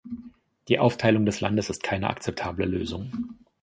Die Aufteilung des Landes ist keine akzeptable Lösung.